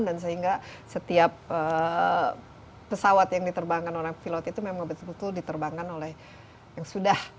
dan sehingga setiap pesawat yang diterbangkan orang pilot itu memang betul betul diterbangkan oleh yang sudah